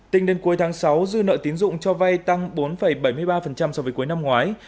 tính đến cuối tháng sáu dư nợ tín dụng cho vay tăng bốn bảy mươi ba so với cuối năm ngoái